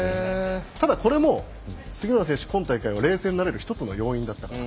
ただこれも杉村選手、今大会は冷静になれる一つの要因だったかなと。